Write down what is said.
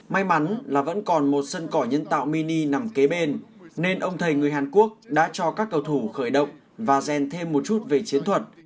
may mắn là vẫn còn một sân cỏ nhân tạo mini nằm kế bên nên ông thầy người hàn quốc đã cho các cầu thủ khởi động và rèn thêm một chút về chiến thuật